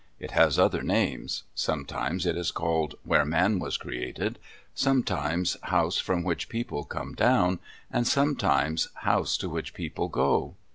It has other names. Sometimes it is called "Where man was created," sometimes "House from which people come down," and sometimes "House to which people go."